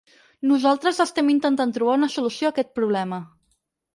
Nosaltres estem intentant trobar una sol·lució a aquest problema.